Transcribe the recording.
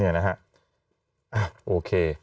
นี่นะฮะโอเค